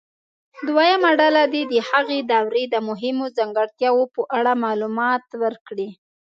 دویمه ډله دې د هغې دورې د مهمو ځانګړتیاوو په اړه معلومات ورکړي.